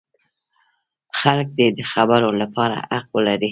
خلک دې د خبرو لپاره حق ولري.